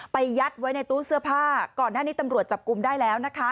ยัดไว้ในตู้เสื้อผ้าก่อนหน้านี้ตำรวจจับกลุ่มได้แล้วนะคะ